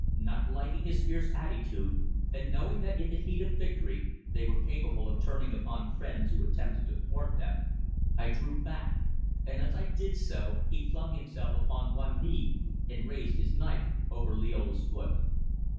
Not liking his fierce attitude, and knowing that in the heat of victory they were capable of turning upon friends who attempted to thwart them, I drew back, and as I did so he flung himself upon one knee and raised his knife over Liola's foot.